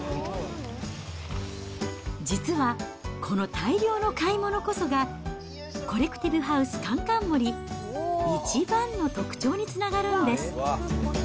実は、この大量の買い物こそが、コレクティブハウスかんかん森、一番の特徴につながるんです。